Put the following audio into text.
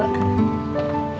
terima kasih ibu